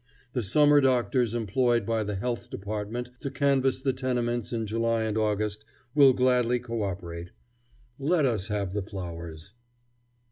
The summer doctors employed by the Health Department to canvass the tenements in July and August will gladly cooperate. Let us have the flowers."